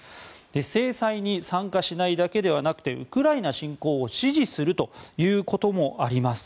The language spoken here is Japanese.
制裁に参加しないだけではなくてウクライナ侵攻を支持するということもあります。